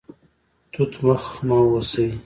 توت مخ مه اوسئ